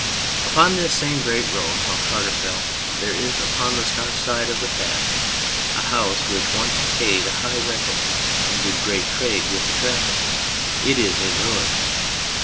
Upon this same great road from Carter Fell there is upon the Scotch side of the path a house which once paid a high rental and did great trade with the traffic. It is in ruins.